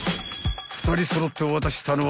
［２人揃って渡したのは］